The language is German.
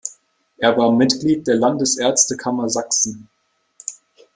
Er war Mitglied der Landesärztekammer Sachsen.